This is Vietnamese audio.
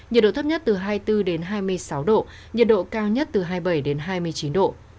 nhiệt độ thấp nhất từ hai mươi bốn đến hai mươi sáu độ nhiệt độ cao nhất từ hai mươi bảy hai mươi chín độ